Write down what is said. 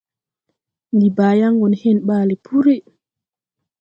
Ndi baa yan go ne hen baale pùrí.